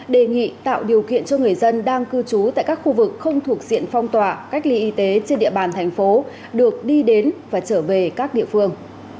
đề nghị tạo điều kiện cho người dân đang cư trú tại các khu vực không thuộc diện phong tỏa cách ly y tế trên địa bàn thành phố được đi đến và trở về các địa phương